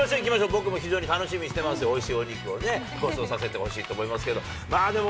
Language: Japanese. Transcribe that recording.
僕も非常に楽しみしてますよ、おいしいお肉をごちそうさせていただきたいと思いますけれども。